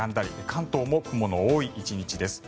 関東も雲の多い１日です。